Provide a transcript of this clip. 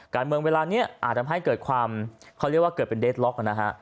เวลานี้อาจทำให้เกิดความเขาเรียกว่าเกิดเป็นเดสล็อกนะฮะ